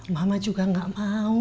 mama juga nggak mau